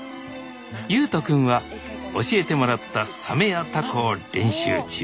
ゆうと君は教えてもらったサメやタコを練習中。